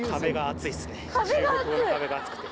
中国語の壁が厚くて。